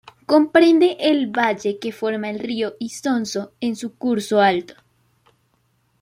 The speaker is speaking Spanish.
Comprende el valle que forma el río Isonzo en su curso alto.